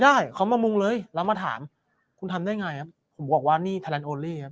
ได้เขามามุงเลยแล้วมาถามคุณทำได้ไงครับบอกว่านี่แทรนด์